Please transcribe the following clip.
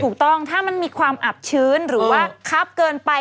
ถูกต้องถ้ามันมีความอับชื้นหรือว่าคับเกินไป